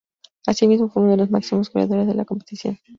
Asimismo, fue uno de los máximos goleadores de la competición.